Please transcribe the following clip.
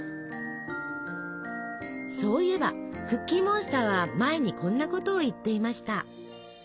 そういえばクッキーモンスターは前にこんなことを言っていました。